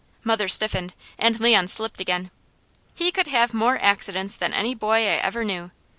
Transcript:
Mother stiffened and Leon slipped again. He could have more accidents than any boy I ever knew.